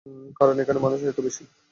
কারন এখানে মানুষই এতো বেশি।